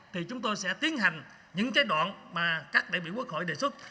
thì chúng tôi sẽ tiến hành những giai đoạn mà các đại biểu quốc hội đề xuất